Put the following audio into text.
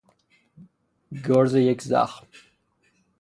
گرز یک زخم